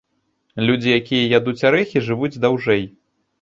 Людзі, якія ядуць арэхі, жывуць даўжэй.